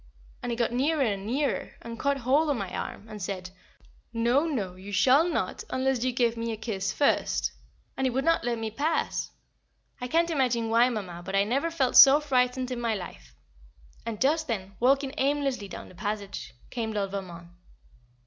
And he got nearer and nearer, and caught hold of my arm, and said, "No, no, you shall not unless you give me a kiss first." And he would not let me pass. I can't imagine why, Mamma, but I never felt so frightened in my life; and just then, walking aimlessly down the passage, came Lord Valmond.